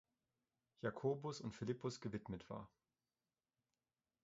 Jakobus und Philippus gewidmet war.